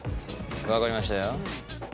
分かりましたよ。